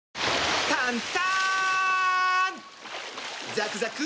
ザクザク！